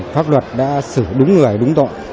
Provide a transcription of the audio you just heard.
pháp luật đã xử đúng người đúng tội